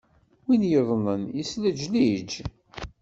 Win yuḍenen, yeslejlij.